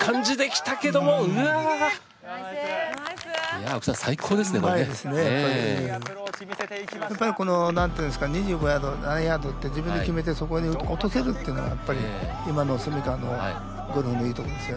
やっぱりなんていうんですか２５ヤード何ヤードって自分で決めてそこに落とせるっていうのがやっぱり今の川のゴルフのいいとこですよね。